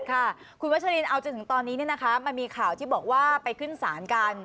ค่ะคุณวัชลินเอาจนถึงตอนนี้เนี้ยนะคะมันมีข่าวที่บอกว่าไปขึ้นศาลการณ์